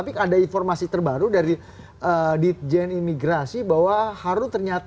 partainya itu berdiri tegak